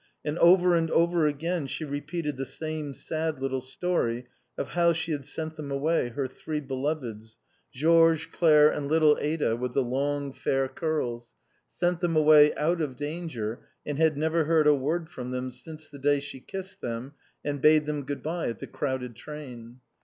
And over and over again she repeated the same sad little story of how she had sent them away, her three beloveds, George, Clare, and little Ada with the long fair curls; sent them away out of danger, and had never heard a word from them since the day she kissed them and bade them good bye at the crowded train.